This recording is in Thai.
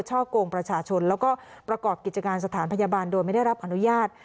ช่อกงประชาชนแล้วก็ประกอบกิจการสถานพยาบาลโดยไม่ได้รับอนุญาต